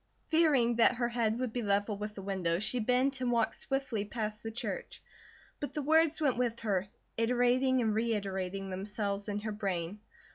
Fearing that her head would be level with the windows, she bent and walked swiftly past the church; but the words went with her, iterating and reiterating themselves in her brain.